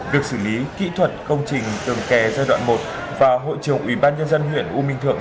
việc xử lý kỹ thuật công trình tường kè giai đoạn một và hội trường ủy ban nhân dân huyện u minh thượng